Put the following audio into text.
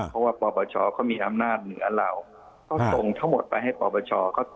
เพราะว่าปปชเขามีอำนาจเหนือเราก็ส่งทั้งหมดไปให้ปปช